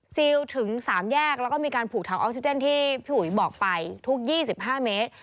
ถึง๓แยกแล้วก็มีการผูกถังออกซิเจนที่พี่อุ๋ยบอกไปทุก๒๕เมตร